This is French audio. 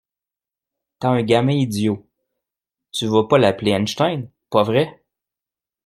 T’as un gamin idiot, tu vas pas l’appeler Einstein, pas vrai?